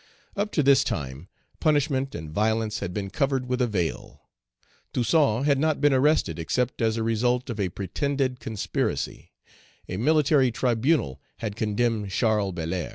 Up to this time, punishment and violence had been covered with a veil. Toussaint had not been arrested except as a result of a pretended conspiracy; a military tribunal had condemned Charles Belair.